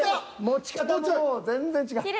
持ち方もう全然違う。